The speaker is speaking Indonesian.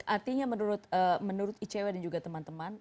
artinya menurut icw dan juga teman teman